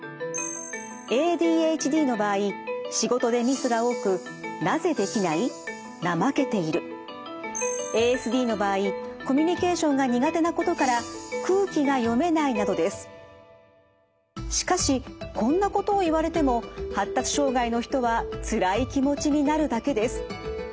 ＡＤＨＤの場合仕事でミスが多くＡＳＤの場合コミュニケーションが苦手なことからしかしこんなことを言われても発達障害の人はつらい気持ちになるだけです。